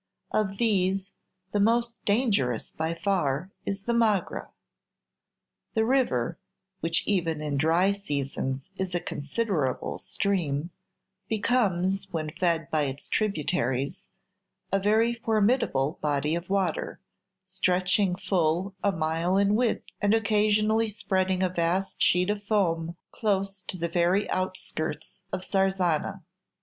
Of these, the most dangerous by far is the Magra. The river, which even in dry seasons is a considerable stream, becomes, when fed by its tributaries, a very formidable body of water, stretching full a mile in width, and occasionally spreading a vast sheet of foam close to the very outskirts of Sarzana.